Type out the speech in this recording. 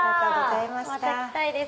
また来たいです。